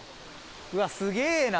うわすげぇな。